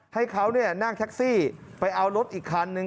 ให้เขานั่งแท็กซี่ไปเอารถอีกคันนึง